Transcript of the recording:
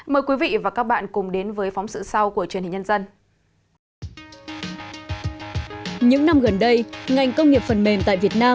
mời quý vị và các bạn cùng đến với phóng sự sau của truyền hình nhân dân